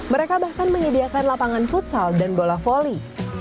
mereka bahkan menyediakan lapangan futsal dan bola volley